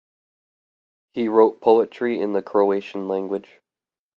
He wrote poetry in the Croatian language.